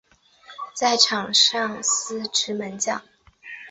在场上司职门将。